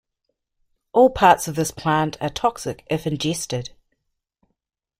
All parts of this plant are toxic if ingested.